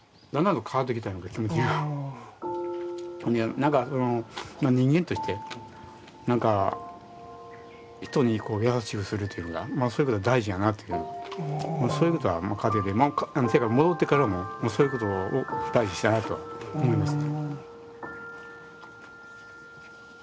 なんか人間として人に優しくするというのがそういうことが大事やなっていうそういうことはていうか戻ってからもそういうことを大事にしたいなと思いますね。